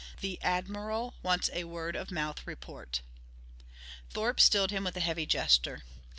The Admiral wants a word of mouth report." Thorpe stilled him with a heavy gesture.